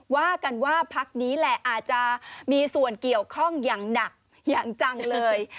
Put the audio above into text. ว่ากันว่าพักนี้แหละอาจจะมีส่วนเกี่ยวข้องอย่างหนักอย่างจังเลย